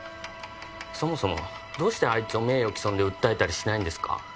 そもそもどうしてあいつを名誉毀損で訴えたりしないんですか？